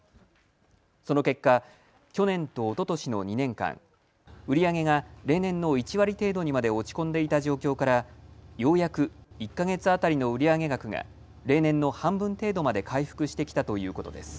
その結果、去年とおととしの２年間、売り上げが例年の１割程度にまで落ち込んでいた状況からようやく１か月当たりの売り上げ額が例年の半分程度まで回復してきたということです。